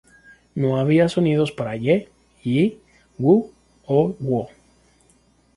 No había sonidos para ye, yi, wu o wo.